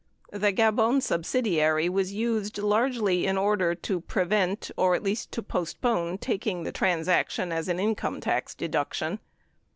33 The Gabon subsidiary was used largely in order to prevent — or at least postpone — taking the transaction as an income tax deduction.